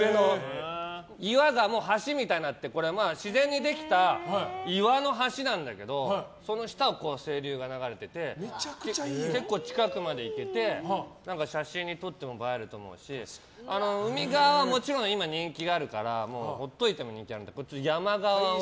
岩が橋みたいになって自然にできた岩の橋なんだけどその下を清流が流れてて結構、近くまで行けて写真に撮っても映えると思うし海側はもちろん今人気があるから放っておいても人気あるけどこっちは山側で。